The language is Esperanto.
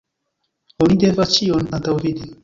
Oni devas ĉion antaŭvidi.